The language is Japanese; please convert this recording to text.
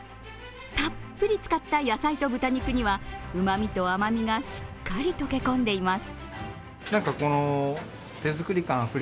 たっぷり使った野菜と豚肉にはうまみと甘みがしっかり溶け込んでいます。